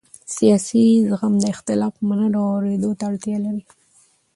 سیاسي زغم د اختلاف منلو او اورېدو ته اړتیا لري